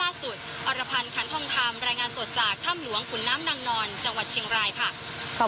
อรพันธ์ขันทองคำรายงานสดจากถ้ำหลวงขุนน้ำนางนอนจังหวัดเชียงรายค่ะ